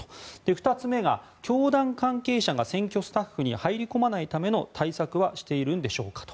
２つ目は教団関係者が選挙スタッフに入り込まないための対策はしているんでしょうかと。